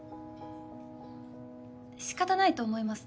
しかたないと思います。